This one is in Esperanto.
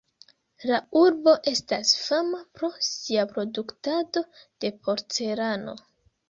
La urbo estas fama pro sia produktado de porcelano.